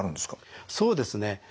そうですね。